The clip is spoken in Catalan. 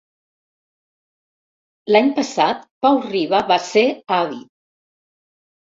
L'any passat Pau Riba va ser avi.